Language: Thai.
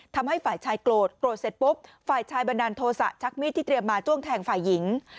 ทำให้ฝ่ายชายโกรธโกรธเสร็จปุ๊บฝ่ายชายบันดาลโทษะชักมีดที่เตรียมมาจ้วงแทงฝ่ายหญิง